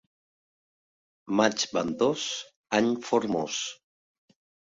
Maig ventós, any formós.